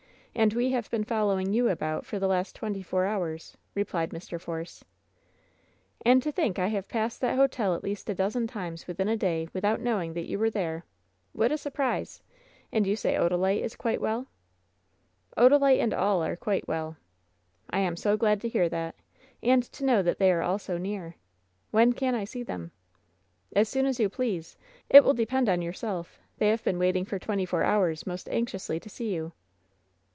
And we have been following you about for the last twenty four hours," replied Mr. Force. "And to think I have passed that hotel at least a dozen times within a day without knowing that you were there ! What a surprise ! And you say Odalite is quite well ?" "Odalite and all are quite well." "I am so glad to hear that ! And to know that they are all so near ! When can I see them ?" "As soon as you please. It will depend on yourself. They have been waiting for twenty four hours most anxiously to see you."